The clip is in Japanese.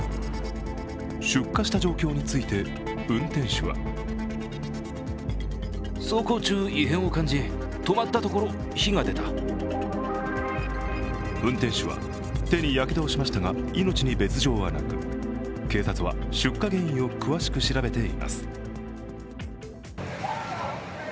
出火した状況について運転手は運転手は手にやけどをしましたが命に別状はなく警察は出火原因を詳しく調べています。